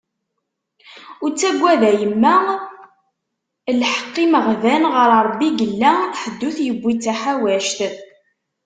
Ur ttagad a yemma, lḥeq imeɣban ɣer Rebbi i yella, ḥedd ur t-yewwi d taḥawact.